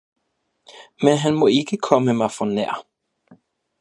Men han må ikke komme mig for nær